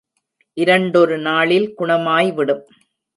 இரண்டொரு நாளில் குணமாய் விடும்.